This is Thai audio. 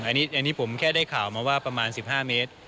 อันนี้ผมแค่ได้ข่าวมาว่าประมาณ๑๕เมตร